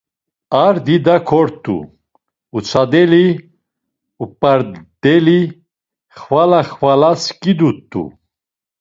A dida kort̆u, utsadeli, up̌ardeli, xvala xvala sǩidut̆u.